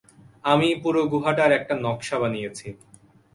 আমি পুরো গুহাটার একটা নকশা বানিয়েছি।